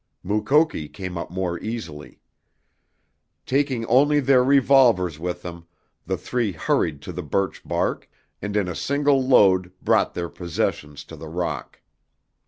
Mukoki came up more easily. Taking only their revolvers with them the three hurried to the birch bark, and in a single load brought their possessions to the rock.